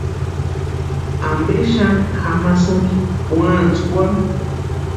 ¿Ampe xani jamasïnki puantskwarhu?